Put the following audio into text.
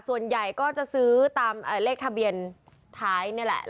ส่วนใหญ่ก็จะซื้อตามเลขทะเบียนท้ายนี่แหละ